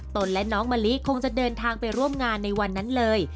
และน้องมะลิคงจะเดินทางไปร่วมงานในวันนั้นเลย